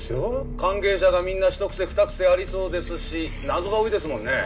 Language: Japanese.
関係者がみんなひと癖ふた癖ありそうですし謎が多いですもんね。